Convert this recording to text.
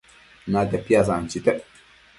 Natia piasanchitec